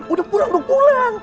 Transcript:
udah pulang udah pulang